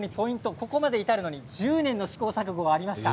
ここまで至るのに１０年の試行錯誤がありました。